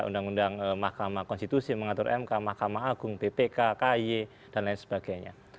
undang undang mahkamah konstitusi mengatur mk mahkamah agung bpk ky dan lain sebagainya